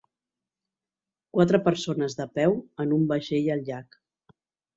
Quatre persones de peu en un vaixell al llac.